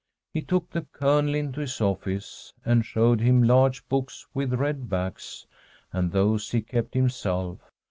He took the Colonel into his office and showed him large books with red backs. And those he kept himself.